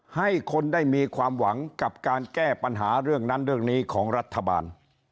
ให้คนได้มีความหวังกับการแก้ปัญหาเรื่องนั้นเรื่องนี้ของรัฐบาล